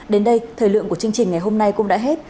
đến đây thời lượng của chương trình ngày hôm nay cũng đã hết